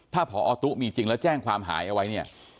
ถ้าพออตู้มีจริงแล้วแต่งความหายเอาไว้